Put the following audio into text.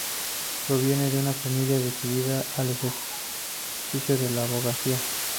Proviene de una familia dedicada al ejercicio de la abogacía.